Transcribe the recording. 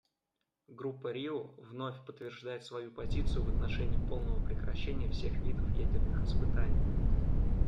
Группа Рио вновь подтверждает свою позицию в отношении полного прекращения всех видов ядерных испытаний.